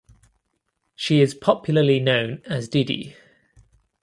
She is popularly known as Didi.